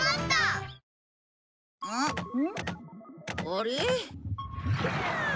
あれ？